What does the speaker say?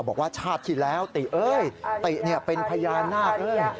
บอกว่าชาติที่แล้วติ๊กติ๊กเป็นพญานหน้าเพิ่ม